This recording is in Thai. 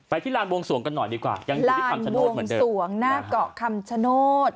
ไปที่ลานบวงสวงกันหน่อยดีกว่าลานบวงสวงน่ากเกาะคำชโนธ